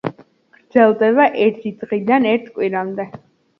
გრძელდება ერთი დღიდან ერთ კვირამდე.